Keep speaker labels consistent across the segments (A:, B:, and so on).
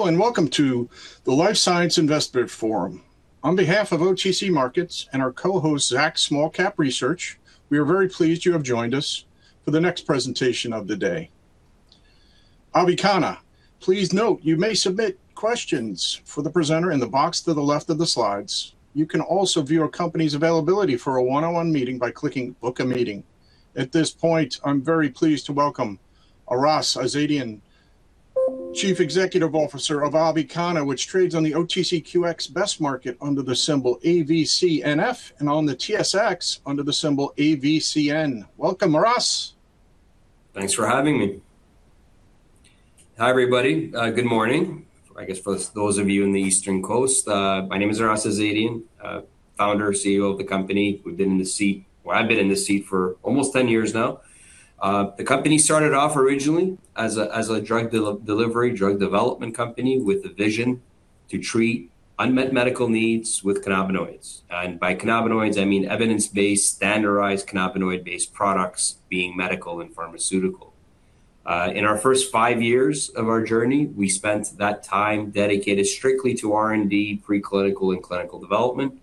A: Hello and welcome to the Life Science Investment Forum. On behalf of OTC Markets and our co-host, Zacks Small Cap Research, we are very pleased you have joined us for the next presentation of the day. Avicanna. Please note you may submit questions for the presenter in the box to the left of the slides. You can also view a company's availability for a one-on-one meeting by clicking Book a Meeting. At this point, I'm very pleased to welcome Aras Azadian, Chief Executive Officer of Avicanna, which trades on the OTCQX Best Market under the symbol AVCNF and on the TSX under the symbol AVCN. Welcome, Aras.
B: Thanks for having me. Hi, everybody. Good morning, I guess for those of you in the Eastern Coast. My name is Aras Azadian, founder, CEO of the company. I've been in this seat for almost 10 years now. The company started off originally as a drug development company with a vision to treat unmet medical needs with cannabinoids. By cannabinoids, I mean evidence-based, standardized cannabinoid-based products being medical and pharmaceutical. In our first five years of our journey, we spent that time dedicated strictly to R&D, preclinical, and clinical development,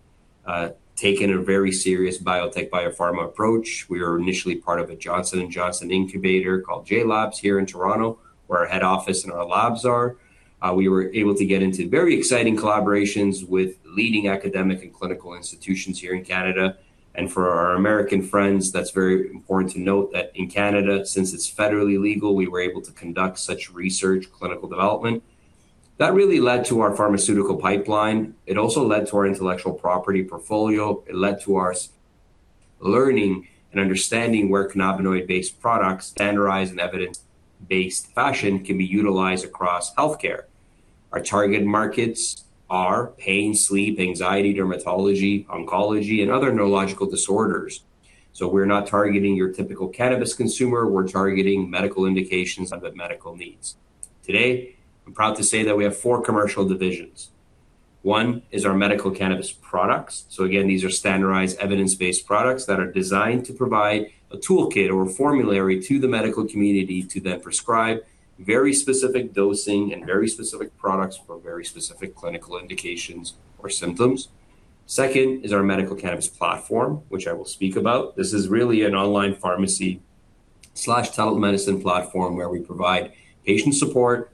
B: taking a very serious biotech biopharma approach. We were initially part of a Johnson & Johnson incubator called JLABS here in Toronto, where our head office and our labs are. We were able to get into very exciting collaborations with leading academic and clinical institutions here in Canada. For our American friends, that's very important to note that in Canada, since it's federally legal, we were able to conduct such research, clinical development. That really led to our pharmaceutical pipeline. It also led to our intellectual property portfolio. It led to us learning and understanding where cannabinoid-based products, standardized and evidence-based fashion, can be utilized across healthcare. Our target markets are pain, sleep, anxiety, dermatology, oncology, and other neurological disorders. We're not targeting your typical cannabis consumer, we're targeting medical indications of the medical needs. Today, I'm proud to say that we have four commercial divisions. One is our medical cannabis products. Again, these are standardized evidence-based products that are designed to provide a toolkit or a formulary to the medical community to then prescribe very specific dosing and very specific products for very specific clinical indications or symptoms. Second is our medical cannabis platform, which I will speak about. This is really an online pharmacy/telemedicine platform where we provide patient support,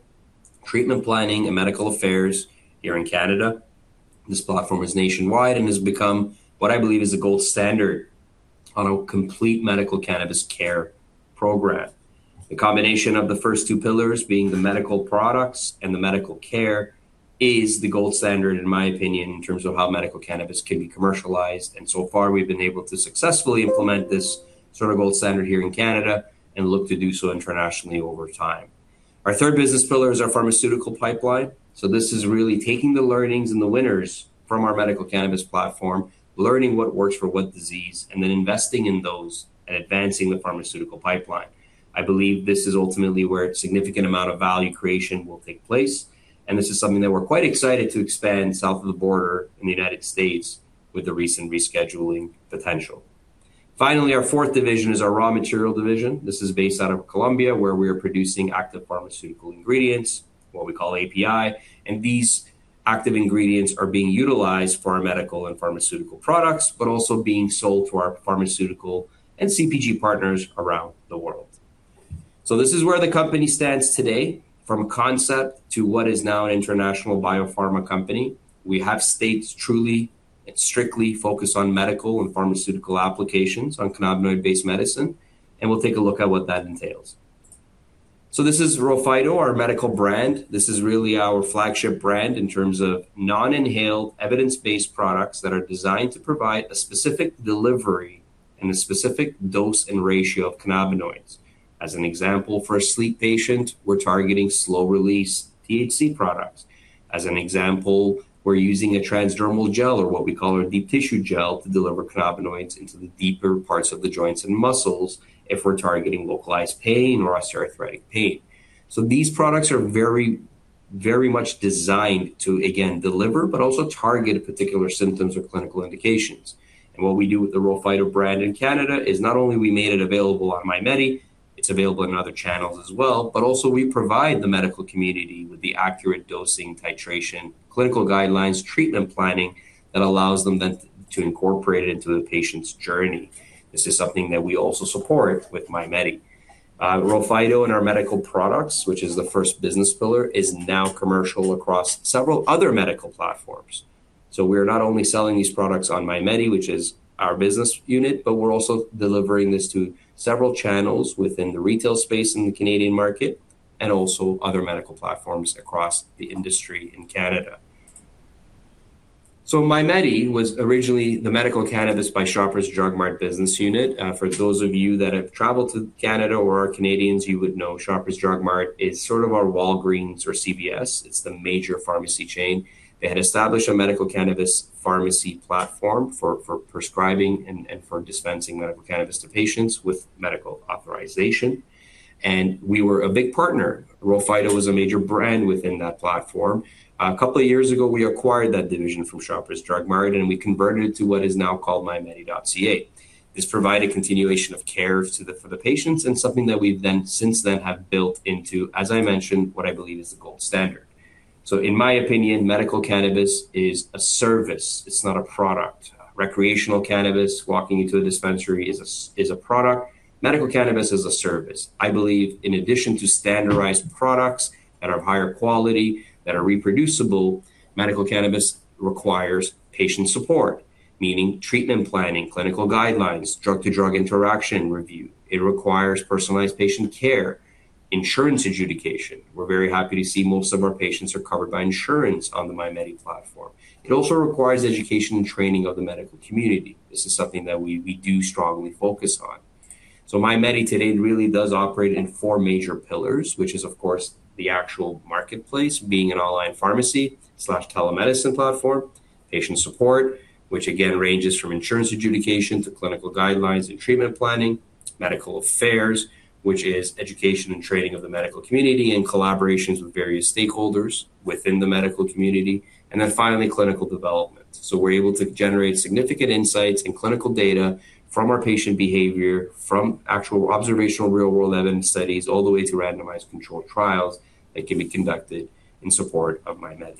B: treatment planning, and medical affairs here in Canada. This platform is nationwide and has become what I believe is the gold standard on a complete medical cannabis care program. The combination of the first two pillars, being the medical products and the medical care, is the gold standard, in my opinion, in terms of how medical cannabis can be commercialized. So far, we've been able to successfully implement this sort of gold standard here in Canada and look to do so internationally over time. Our third business pillar is our pharmaceutical pipeline. This is really taking the learnings and the winners from our medical cannabis platform, learning what works for what disease, and then investing in those and advancing the pharmaceutical pipeline. I believe this is ultimately where a significant amount of value creation will take place, and this is something that we're quite excited to expand south of the border in the United States with the recent rescheduling potential. Finally, our fourth division is our raw material division. This is based out of Colombia, where we are producing active pharmaceutical ingredients, what we call API, and these active ingredients are being utilized for our medical and pharmaceutical products, but also being sold to our pharmaceutical and CPG partners around the world. This is where the company stands today, from a concept to what is now an international biopharma company. We have stayed truly and strictly focused on medical and pharmaceutical applications on cannabinoid-based medicine, and we'll take a look at what that entails. This is RHO Phyto, our medical brand. This is really our flagship brand in terms of non-inhaled evidence-based products that are designed to provide a specific delivery and a specific dose and ratio of cannabinoids. As an example, for a sleep patient, we're targeting slow-release THC products. As an example, we're using a transdermal gel or what we call a deep tissue gel to deliver cannabinoids into the deeper parts of the joints and muscles if we're targeting localized pain or osteoarthritis pain. These products are very, very much designed to, again, deliver but also target particular symptoms or clinical indications. What we do with the RHO Phyto brand in Canada is not only we made it available on MyMedi, it's available in other channels as well, but also we provide the medical community with the accurate dosing, titration, clinical guidelines, treatment planning that allows them then to incorporate it into the patient's journey. This is something that we also support with MyMedi. RHO Phyto and our medical products, which is the first business pillar, is now commercial across several other medical platforms. We're not only selling these products on MyMedi, which is our business unit, but we're also delivering this to several channels within the retail space in the Canadian market and also other medical platforms across the industry in Canada. MyMedi was originally the medical cannabis by Shoppers Drug Mart business unit. For those of you that have traveled to Canada or are Canadians, you would know Shoppers Drug Mart is sort of our Walgreens or CVS. It's the major pharmacy chain. They had established a medical cannabis pharmacy platform for prescribing and for dispensing medical cannabis to patients with medical authorization. We were a big partner. RHO Phyto was a major brand within that platform. A couple of years ago, we acquired that division from Shoppers Drug Mart, and we converted it to what is now called MyMedi.ca to provide a continuation of care for the patients and something that we've since then built into, as I mentioned, what I believe is the gold standard. In my opinion, medical cannabis is a service. It's not a product. Recreational cannabis, walking into a dispensary is a product. Medical cannabis is a service. I believe in addition to standardized products that are of higher quality, that are reproducible, medical cannabis requires patient support, meaning treatment planning, clinical guidelines, drug-to-drug interaction review. It requires personalized patient care, insurance adjudication. We're very happy to see most of our patients are covered by insurance on the MyMedi platform. It also requires education and training of the medical community. This is something that we do strongly focus on. MyMedi today really does operate in four major pillars, which is of course, the actual marketplace being an online pharmacy/telemedicine platform, patient support, which again ranges from insurance adjudication to clinical guidelines and treatment planning, medical affairs, which is education and training of the medical community and collaborations with various stakeholders within the medical community. Finally, clinical development. We're able to generate significant insights and clinical data from our patient behavior, from actual observational real-world evidence studies all the way through randomized controlled trials that can be conducted in support of MyMedi.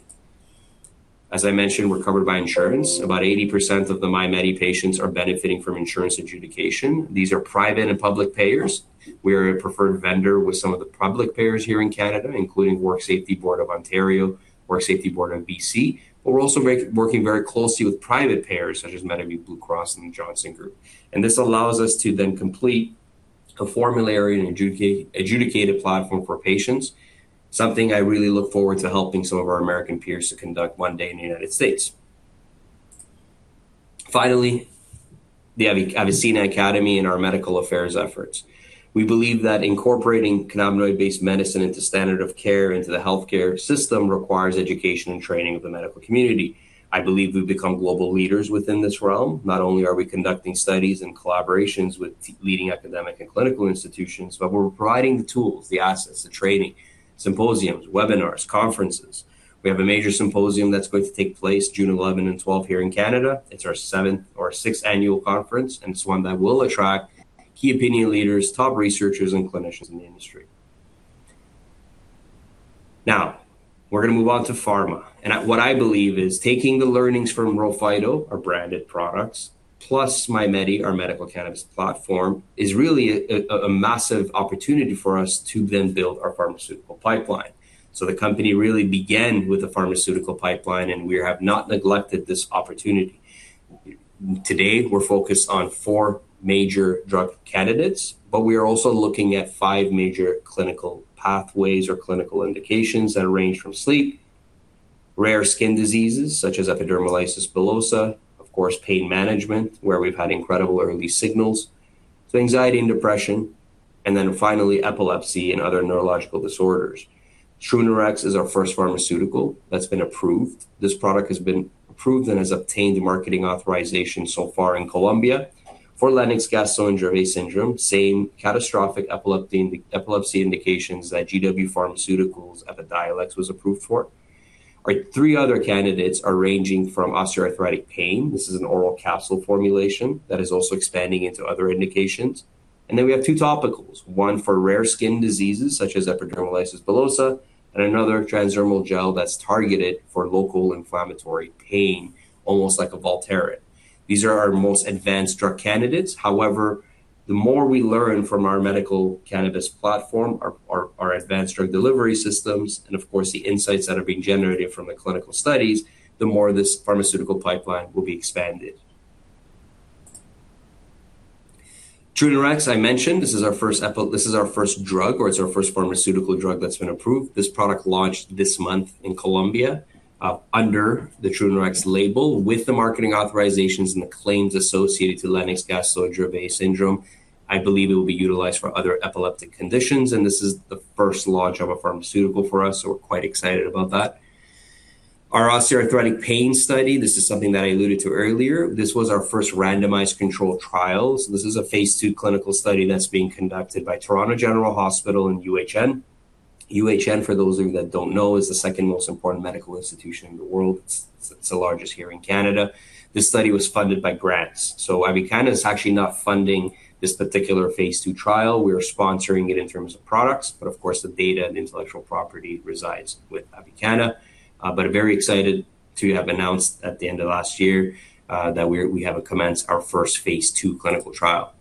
B: As I mentioned, we're covered by insurance. About 80% of the MyMedi patients are benefiting from insurance adjudication. These are private and public payers. We're a preferred vendor with some of the public payers here in Canada, including Workplace Safety and Insurance Board, WorkSafeBC. We're also working very closely with private payers such as Medavie Blue Cross and the Johnston Group. This allows us to then complete a formulary and adjudicated platform for patients. Something I really look forward to helping some of our American peers to conduct one day in the United States. Finally, the Avicenna Academy and our medical affairs efforts. We believe that incorporating cannabinoid-based medicine into standard of care into the healthcare system requires education and training of the medical community. I believe we've become global leaders within this realm. Not only are we conducting studies and collaborations with leading academic and clinical institutions, but we're providing the tools, the assets, the training, symposiums, webinars, conferences. We have a major symposium that's going to take place June 11 and 12 here in Canada. It's our seventh or sixth annual conference, and it's one that will attract key opinion leaders, top researchers, and clinicians in the industry. Now, we're gonna move on to pharma. What I believe is taking the learnings from RHO Phyto, our branded products, plus MyMedi.ca, our medical cannabis platform, is really a massive opportunity for us to then build our pharmaceutical pipeline. The company really began with a pharmaceutical pipeline, and we have not neglected this opportunity. Today, we're focused on four major drug candidates, but we are also looking at five major clinical pathways or clinical indications that range from sleep, rare skin diseases such as epidermolysis bullosa, of course, pain management, where we've had incredible early signals to anxiety and depression, and then finally epilepsy and other neurological disorders. Trunerox is our first pharmaceutical that's been approved. This product has been approved and has obtained marketing authorization so far in Colombia for Lennox-Gastaut Syndrome, same catastrophic epilepsy indications that GW Pharmaceuticals' Epidiolex was approved for. Our three other candidates are ranging from osteoarthritic pain. This is an oral capsule formulation that is also expanding into other indications. We have two topicals, one for rare skin diseases such as epidermolysis bullosa and another transdermal gel that's targeted for local inflammatory pain, almost like a Voltaren. These are our most advanced drug candidates. However, the more we learn from our medical cannabis platform, our advanced drug delivery systems, and of course, the insights that are being generated from the clinical studies, the more this pharmaceutical pipeline will be expanded. Trunerox, I mentioned, this is our first drug, or it's our first pharmaceutical drug that's been approved. This product launched this month in Colombia under the Trunerox label with the marketing authorizations and the claims associated to Lennox-Gastaut syndrome. I believe it will be utilized for other epileptic conditions, and this is the first launch of a pharmaceutical for us, so we're quite excited about that. Our osteoarthritic pain study, this is something that I alluded to earlier. This was our first randomized controlled trial. This is a phase II clinical study that's being conducted by Toronto General Hospital and UHN. UHN, for those of you that don't know, is the second most important medical institution in the world. It's the largest here in Canada. This study was funded by grants. Avicanna is actually not funding this particular phase II trial. We are sponsoring it in terms of products, but of course, the data and intellectual property resides with Avicanna. Very excited to have announced at the end of last year, that we have commenced our first phase II clinical trial.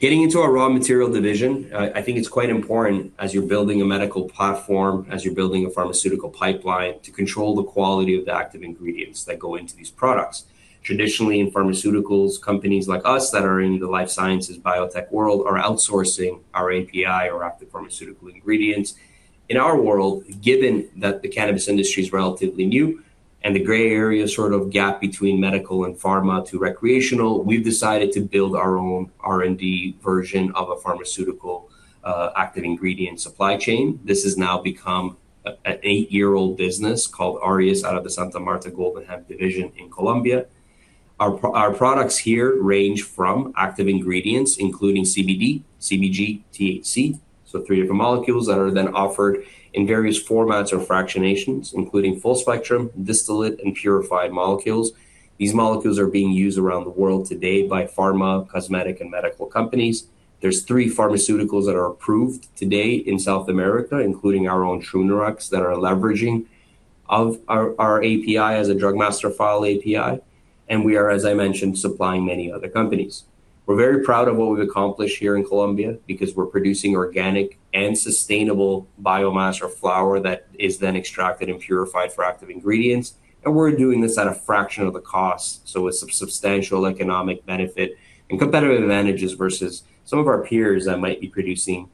B: Getting into our raw material division, I think it's quite important as you're building a medical platform, as you're building a pharmaceutical pipeline to control the quality of the active ingredients that go into these products. Traditionally, in pharmaceuticals, companies like us that are in the life sciences biotech world are outsourcing our API or active pharmaceutical ingredients. In our world, given that the cannabis industry is relatively new and the gray area sort of gap between medical and pharma to recreational, we've decided to build our own R&D version of a pharmaceutical, active ingredient supply chain. This has now become an eight-year-old business called Aureus out of the Santa Marta Golden Hemp division in Colombia. Our products here range from active ingredients, including CBD, CBG, THC. Three different molecules that are then offered in various formats or fractionations, including full spectrum, distillate, and purified molecules. These molecules are being used around the world today by pharma, cosmetic, and medical companies. There are three pharmaceuticals that are approved today in South America, including our own Trunerox that are leveraging our API as a Drug Master File API. We are, as I mentioned, supplying many other companies. We're very proud of what we've accomplished here in Colombia because we're producing organic and sustainable biomass or flower that is then extracted and purified for active ingredients. We're doing this at a fraction of the cost, so a substantial economic benefit and competitive advantages versus some of our peers that might be producing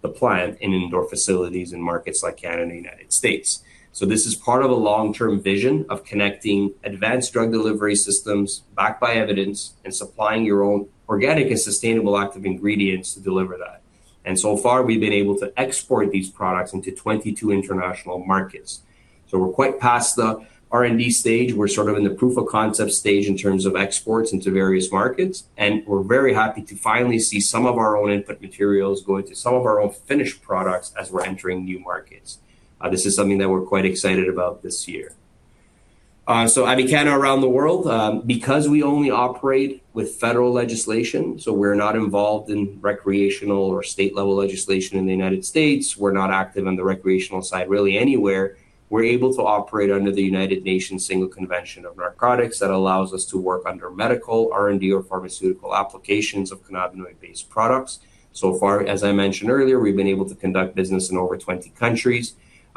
B: the plant in indoor facilities in markets like Canada and United States. This is part of a long-term vision of connecting advanced drug delivery systems backed by evidence and supplying your own organic and sustainable active ingredients to deliver that. We've been able to export these products into 22 international markets. We're quite past the R&D stage. We're sort of in the proof-of-concept stage in terms of exports into various markets, and we're very happy to finally see some of our own input materials go into some of our own finished products as we're entering new markets. This is something that we're quite excited about this year. Avicanna around the world. Because we only operate with federal legislation, we're not involved in recreational or state-level legislation in the United States. We're not active on the recreational side really anywhere. We're able to operate under the United Nations Single Convention on Narcotic Drugs that allows us to work under medical, R&D, or pharmaceutical applications of cannabinoid-based products. So far, as I mentioned earlier, we've been able to conduct business in over 20 countries.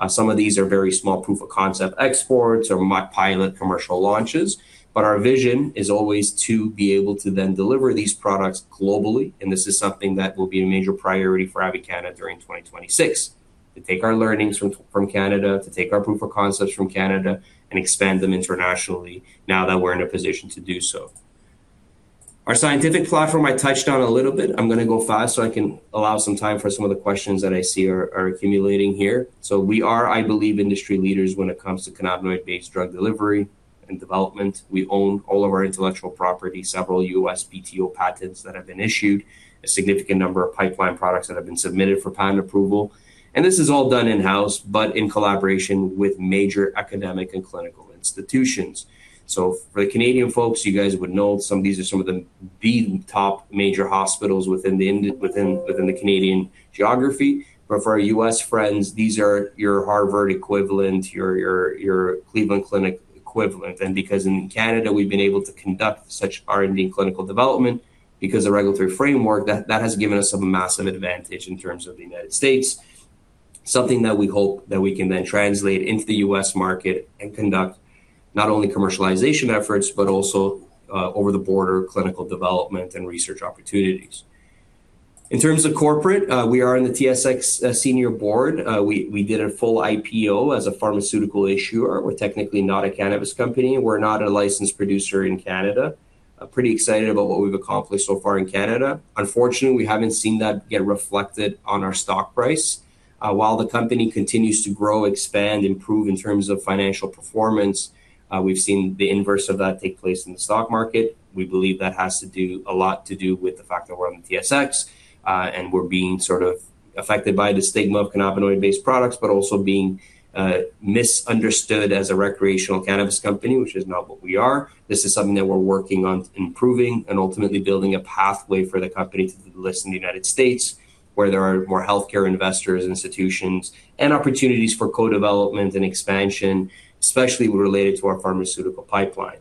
B: Some of these are very small proof-of-concept exports or pilot commercial launches. Our vision is always to be able to then deliver these products globally, and this is something that will be a major priority for Avicanna during 2026. To take our learnings from Canada, to take our proof of concepts from Canada and expand them internationally now that we're in a position to do so. Our scientific platform, I touched on a little bit. I'm gonna go fast, so I can allow some time for some of the questions that I see are accumulating here. We are, I believe, industry leaders when it comes to cannabinoid-based drug delivery and development. We own all of our intellectual property, several USPTO patents that have been issued, a significant number of pipeline products that have been submitted for patent approval. This is all done in-house, but in collaboration with major academic and clinical institutions. For the Canadian folks, you guys would know some of these are some of the top major hospitals within the Canadian geography. For our U.S. friends, these are your Harvard equivalent, your Cleveland Clinic equivalent. Because in Canada, we have been able to conduct such R&D clinical development because of the regulatory framework, that has given us a massive advantage in terms of the United States. Something that we hope that we can then translate into the U.S. market and conduct not only commercialization efforts, but also, cross-border clinical development and research opportunities. In terms of corporate, we are in the TSX Senior Board. We did a full IPO as a pharmaceutical issuer. We're technically not a cannabis company. We're not a licensed producer in Canada. Pretty excited about what we've accomplished so far in Canada. Unfortunately, we haven't seen that get reflected on our stock price. While the company continues to grow, expand, improve in terms of financial performance, we've seen the inverse of that take place in the stock market. We believe that has a lot to do with the fact that we're on the TSX, and we're being sort of affected by the stigma of cannabinoid-based products, but also being misunderstood as a recreational cannabis company, which is not what we are. This is something that we're working on improving and ultimately building a pathway for the company to list in the United States, where there are more healthcare investors, institutions, and opportunities for co-development and expansion, especially related to our pharmaceutical pipeline.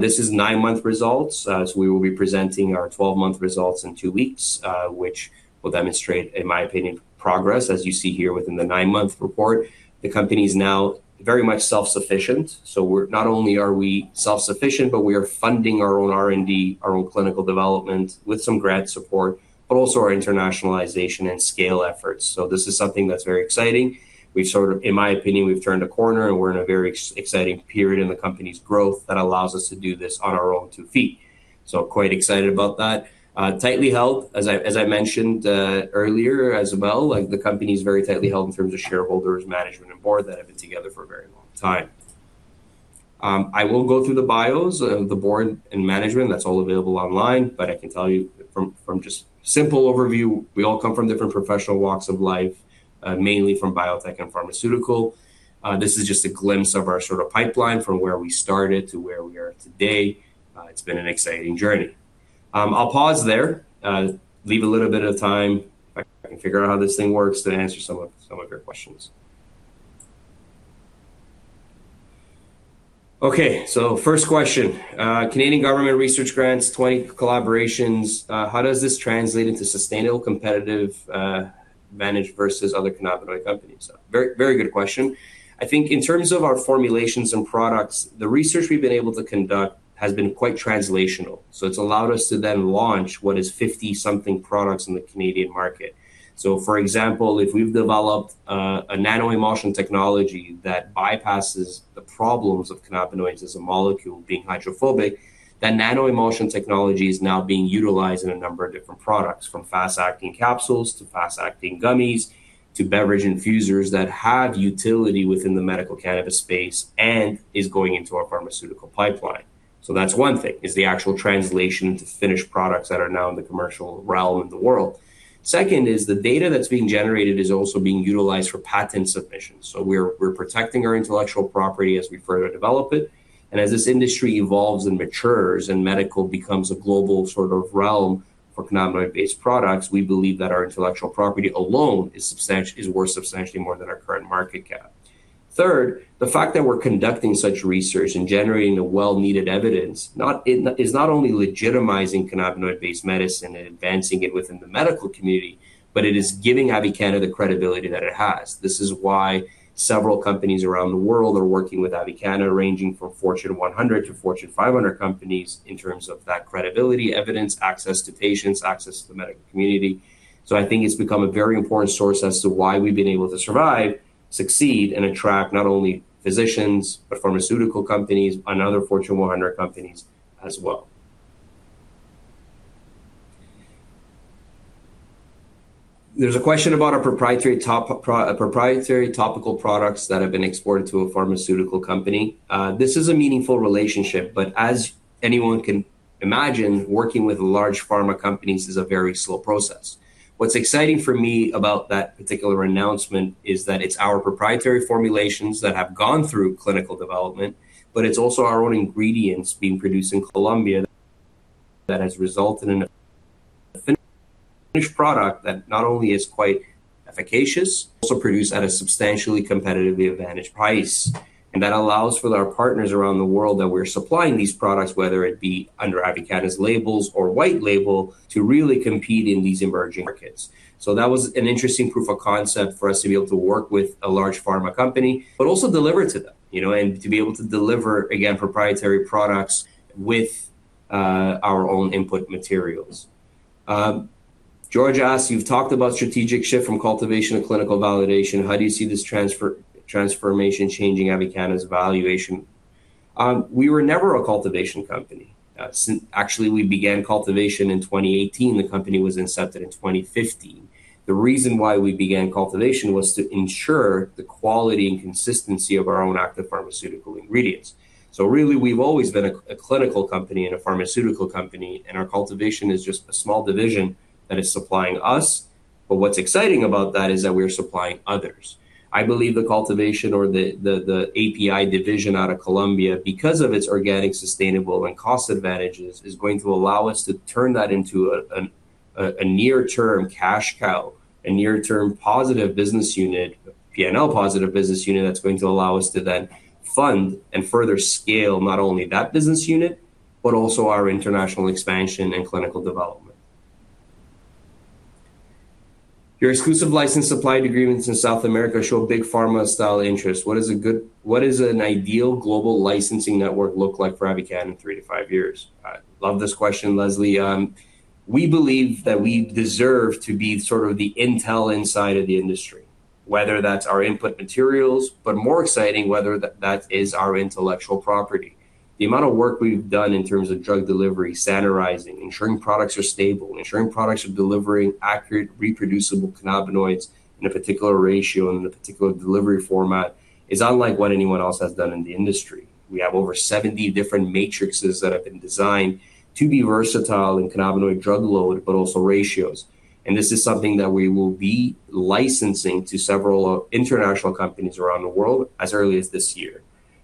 B: This is nine-month results. We will be presenting our 12-month results in two weeks, which will demonstrate, in my opinion, progress. As you see here within the nine-month report, the company is now very much self-sufficient. Not only are we self-sufficient, but we are funding our own R&D, our own clinical development with some grant support, but also our internationalization and scale efforts. This is something that's very exciting. We've sort of in my opinion, we've turned a corner, and we're in a very exciting period in the company's growth that allows us to do this on our own two feet. Quite excited about that. Tightly held. As I mentioned earlier as well, like the company is very tightly held in terms of shareholders, management, and board that have been together for a very long time. I won't go through the bios of the board and management. That's all available online. I can tell you from just simple overview, we all come from different professional walks of life, mainly from biotech and pharmaceutical. This is just a glimpse of our sort of pipeline from where we started to where we are today. It's been an exciting journey. I'll pause there, leave a little bit of time. If I can figure out how this thing works, then answer some of your questions. Okay. First question. Canadian government research grants, 20 collaborations. How does this translate into sustainable competitive advantage versus other cannabinoid companies. Very, very good question. I think in terms of our formulations and products, the research we've been able to conduct has been quite translational. It's allowed us to then launch what is 50-something products in the Canadian market. For example, if we've developed a nano-emulsion technology that bypasses the problems of cannabinoids as a molecule being hydrophobic, then nano-emulsion technology is now being utilized in a number of different products, from fast-acting capsules, to fast-acting gummies, to beverage infusers that have utility within the medical cannabis space and is going into our pharmaceutical pipeline. That's one thing, is the actual translation into finished products that are now in the commercial realm of the world. Second is the data that's being generated is also being utilized for patent submissions. We're protecting our intellectual property as we further develop it. As this industry evolves and matures and medical becomes a global sort of realm for cannabinoid-based products, we believe that our intellectual property alone is worth substantially more than our current market cap. Third, the fact that we're conducting such research and generating a much-needed evidence, not only legitimizing cannabinoid-based medicine and advancing it within the medical community, but it is giving Avicanna the credibility that it has. This is why several companies around the world are working with Avicanna, ranging from Fortune 100 to Fortune 500 companies in terms of that credibility, evidence, access to patients, access to the medical community. I think it's become a very important source as to why we've been able to survive, succeed, and attract not only physicians, but pharmaceutical companies and other Fortune 100 companies as well. There's a question about our proprietary topical products that have been exported to a pharmaceutical company. This is a meaningful relationship, but as anyone can imagine, working with large pharma companies is a very slow process. What's exciting for me about that particular announcement is that it's our proprietary formulations that have gone through clinical development, but it's also our own ingredients being produced in Colombia that has resulted in a finished product that not only is quite efficacious, also produced at a substantially competitively advantaged price. That allows for our partners around the world that we're supplying these products, whether it be under Avicanna's labels or white label, to really compete in these emerging markets. That was an interesting proof of concept for us to be able to work with a large pharma company, but also deliver to them, you know, and to be able to deliver, again, proprietary products with our own input materials. George asks, "You've talked about strategic shift from cultivation to clinical validation. How do you see this transformation changing Avicanna's valuation?" We were never a cultivation company. Actually, we began cultivation in 2018. The company was incepted in 2015. The reason why we began cultivation was to ensure the quality and consistency of our own active pharmaceutical ingredients. Really, we've always been a clinical company and a pharmaceutical company, and our cultivation is just a small division that is supplying us. What's exciting about that is that we're supplying others. I believe the cultivation or the API division out of Colombia, because of its organic, sustainable, and cost advantages, is going to allow us to turn that into a near-term cash cow, a near-term positive business unit, P&L positive business unit that's going to allow us to then fund and further scale not only that business unit, but also our international expansion and clinical development. "Your exclusive license supply agreements in South America show big pharma-style interest. What is an ideal global licensing network look like for Avicanna in three to five years?" I love this question, Leslie. We believe that we deserve to be sort of the Intel inside of the industry, whether that's our input materials, but more exciting, whether that is our intellectual property. The amount of work we've done in terms of drug delivery, standardizing, ensuring products are stable, ensuring products are delivering accurate, reproducible cannabinoids in a particular ratio and in a particular delivery format is unlike what anyone else has done in the industry. We have over 70 different matrixes that have been designed to be versatile in cannabinoid drug load, but also ratios. This is something that we will be licensing to several international companies around the world as early as this year.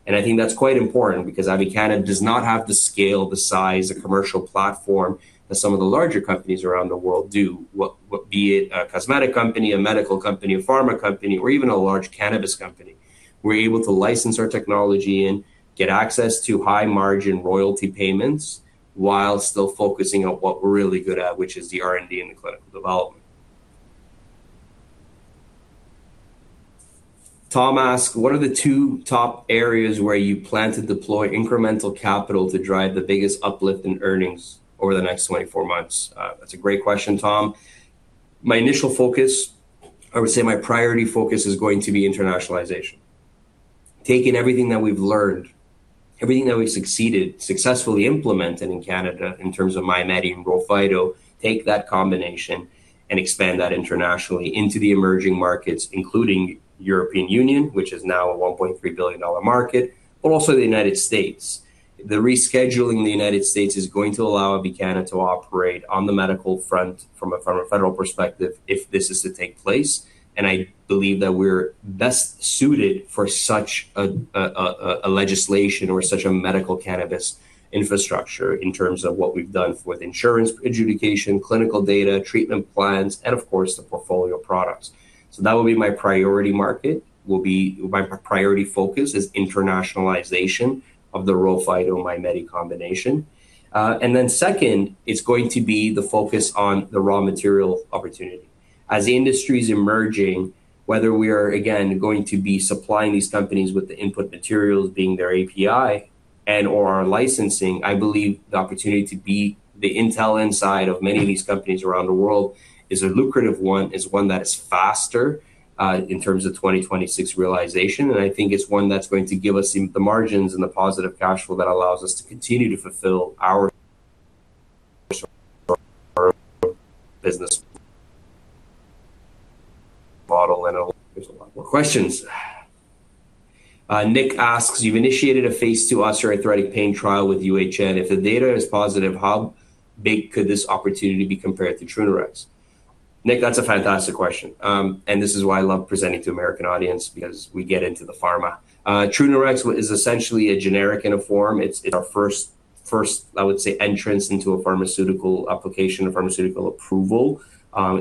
B: I think that's quite important because Avicanna does not have the scale, the size, the commercial platform that some of the larger companies around the world do. Whether it be a cosmetic company, a medical company, a pharma company, or even a large cannabis company. We're able to license our technology and get access to high-margin royalty payments while still focusing on what we're really good at, which is the R&D and the clinical development. Tom asks, "What are the two top areas where you plan to deploy incremental capital to drive the biggest uplift in earnings over the next 24 months?" That's a great question, Tom. My initial focus, I would say my priority focus is going to be internationalization. Taking everything that we've learned, everything that we've successfully implemented in Canada in terms of MyMedi and RHO Phyto, take that combination and expand that internationally into the emerging markets, including European Union, which is now a $1.3 billion market, but also the United States. The rescheduling in the United States is going to allow Avicanna to operate on the medical front from a federal perspective if this is to take place. I believe that we're best suited for such a legislation or such a medical cannabis infrastructure in terms of what we've done with insurance adjudication, clinical data, treatment plans, and of course, the portfolio products. That will be my priority market. My priority focus is internationalization of the RHO Phyto MyMedi combination. Then second, it's going to be the focus on the raw material opportunity. As the industry is emerging, whether we are, again, going to be supplying these companies with the input materials being their API and/or our licensing, I believe the opportunity to be the intel inside of many of these companies around the world is a lucrative one, is one that is faster in terms of 2026 realization. I think it's one that's going to give us the margins and the positive cash flow that allows us to continue to fulfill our business model. There's a lot more questions. Nick asks, "You've initiated a phase II osteoarthritic pain trial with UHN. If the data is positive, how big could this opportunity be compared to Trunerox?" Nick, that's a fantastic question. This is why I love presenting to American audience because we get into the pharma. Trunerox is essentially a generic in a form. It's our first entrance into a pharmaceutical application or pharmaceutical approval.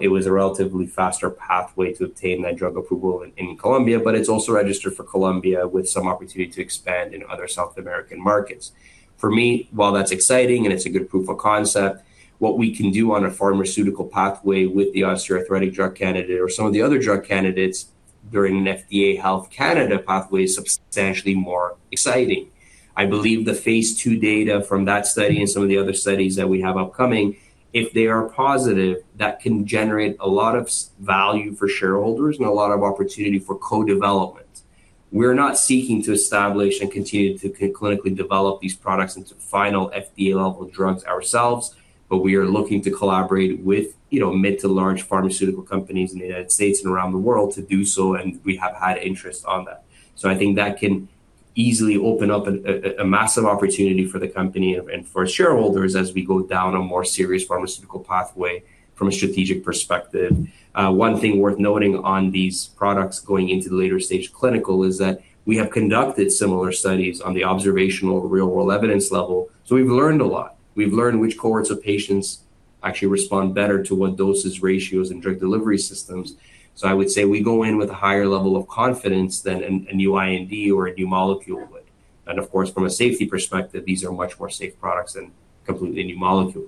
B: It was a relatively faster pathway to obtain that drug approval in Colombia, but it's also registered for Colombia with some opportunity to expand in other South American markets. For me, while that's exciting and it's a good proof of concept, what we can do on a pharmaceutical pathway with the osteoarthritic drug candidate or some of the other drug candidates during an FDA Health Canada pathway is substantially more exciting. I believe the phase II data from that study and some of the other studies that we have upcoming, if they are positive, that can generate a lot of value for shareholders and a lot of opportunity for co-development. We're not seeking to establish and continue to clinically develop these products into final FDA-level drugs ourselves, but we are looking to collaborate with, you know, mid to large pharmaceutical companies in the United States and around the world to do so, and we have had interest on that. I think that can easily open up a massive opportunity for the company and for shareholders as we go down a more serious pharmaceutical pathway from a strategic perspective. One thing worth noting on these products going into the later stage clinical is that we have conducted similar studies on the observational real world evidence level. We've learned a lot. We've learned which cohorts of patients actually respond better to what doses, ratios, and drug delivery systems. I would say we go in with a higher level of confidence than a new IND or a new molecule would. Of course, from a safety perspective, these are much more safe products than a completely new molecule.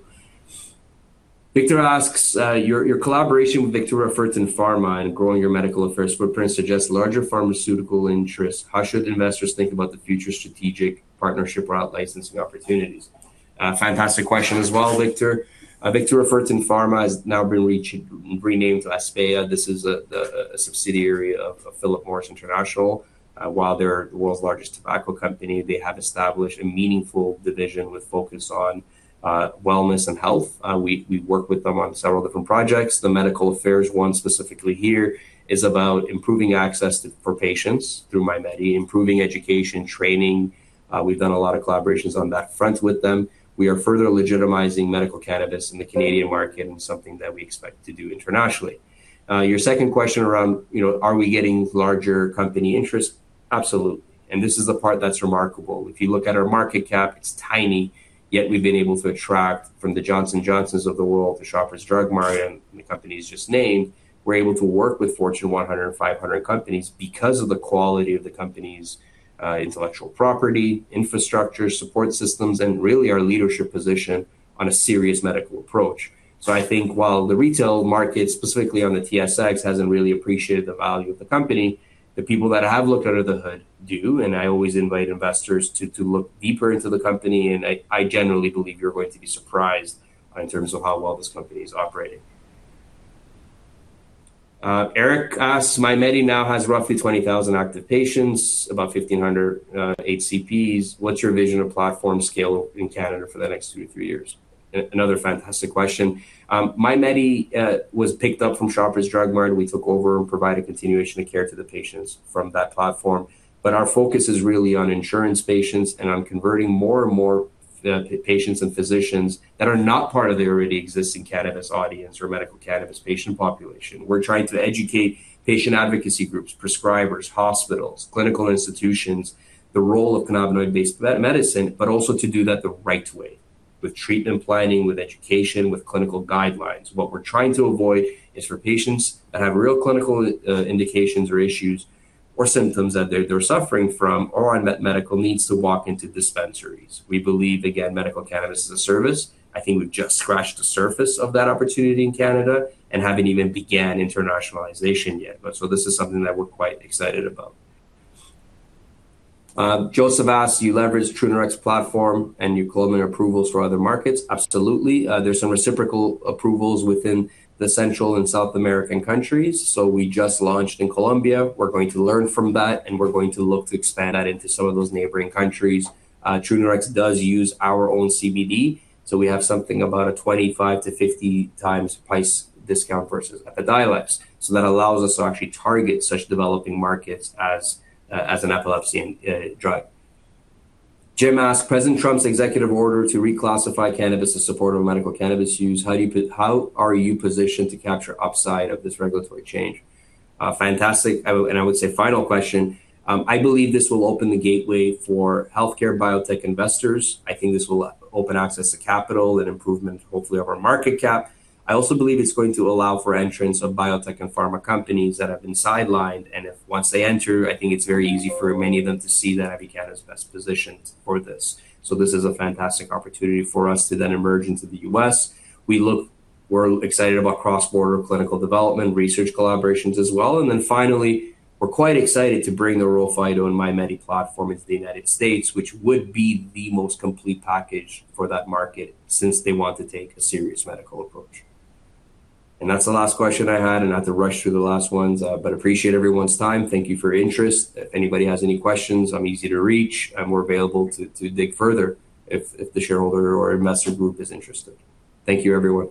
B: Victor asks, "Your collaboration with Vectura Fertin Pharma in growing your medical affairs footprint suggests larger pharmaceutical interests. How should investors think about the future strategic partnership or out-licensing opportunities?" Fantastic question as well, Victor. Vectura Fertin Pharma has now been renamed to Aspeya. This is a subsidiary of Philip Morris International. While they're the world's largest tobacco company, they have established a meaningful division with focus on wellness and health. We work with them on several different projects. The medical affairs one specifically here is about improving access for patients through MyMedi, improving education, training. We've done a lot of collaborations on that front with them. We are further legitimizing medical cannabis in the Canadian market and something that we expect to do internationally. Your second question around, you know, are we getting larger company interest? Absolutely. This is the part that's remarkable. If you look at our market cap, it's tiny, yet we've been able to attract from the Johnson & Johnsons' of the world, the Shoppers Drug Mart and the companies just named. We're able to work with Fortune 100, 500 companies because of the quality of the company's intellectual property, infrastructure, support systems, and really our leadership position on a serious medical approach. I think while the retail market, specifically on the TSX, hasn't really appreciated the value of the company, the people that have looked under the hood do. I always invite investors to look deeper into the company, and I generally believe you're going to be surprised in terms of how well this company is operating. Eric asks, "MyMedi now has roughly 20,000 active patients, about 1,500 HCPs. What's your vision of platform scale in Canada for the next two to three years?" Another fantastic question. MyMedi was picked up from Shoppers Drug Mart. We took over and provided continuation of care to the patients from that platform. Our focus is really on insurance patients and on converting more and more the patients and physicians that are not part of the already existing cannabis audience or medical cannabis patient population. We're trying to educate patient advocacy groups, prescribers, hospitals, clinical institutions, the role of cannabinoid-based medicine, but also to do that the right way, with treatment planning, with education, with clinical guidelines. What we're trying to avoid is for patients that have real clinical indications or issues or symptoms that they're suffering from or unmet medical needs to walk into dispensaries. We believe, again, medical cannabis is a service. I think we've just scratched the surface of that opportunity in Canada and haven't even began internationalization yet. This is something that we're quite excited about. Joseph asks, "Do you leverage Trunerox platform and new Colombian approvals for other markets?" Absolutely. There's some reciprocal approvals within the Central and South American countries. We just launched in Colombia. We're going to learn from that, and we're going to look to expand that into some of those neighboring countries. Trunerox does use our own CBD, so we have something about a 25-50 times price discount versus Epidiolex. That allows us to actually target such developing markets as an epilepsy drug. Jim asks, "President Trump's executive order to reclassify cannabis to support medical cannabis use, how are you positioned to capture upside of this regulatory change?" Fantastic, and I would say final question. I believe this will open the gateway for healthcare biotech investors. I think this will open access to capital and improvement, hopefully, of our market cap. I also believe it's going to allow for entrance of biotech and pharma companies that have been sidelined. Once they enter, I think it's very easy for many of them to see that Avicanna is best positioned for this. This is a fantastic opportunity for us to then emerge into the U.S. We're excited about cross-border clinical development, research collaborations as well. Then finally, we're quite excited to bring the RHO Phyto and MyMedi.ca platform into the United States, which would be the most complete package for that market since they want to take a serious medical approach. That's the last question I had. I had to rush through the last ones, but appreciate everyone's time. Thank you for your interest. If anybody has any questions, I'm easy to reach, and we're available to dig further if the shareholder or investor group is interested. Thank you, everyone.